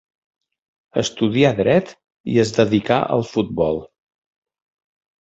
Estudià Dret, i es dedicà al futbol.